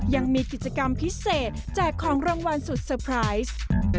ยังมีกิจกรรมพิเศษแจกของรางวัลสุดเซอร์ไพรส์